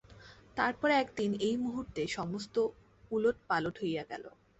তার পর একদিনে একটি মুহূর্তে সমস্ত উলটপালট হইয়া গেল।